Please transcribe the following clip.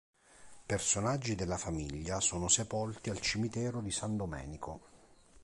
Personaggi della famiglia sono sepolti al cimitero di San Domenico.